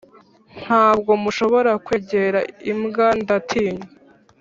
ntabwo mushobora kwegera imbwa ndatinya